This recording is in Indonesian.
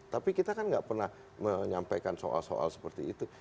tapi kita kan nggak pernah menyampaikan soal soal seperti itu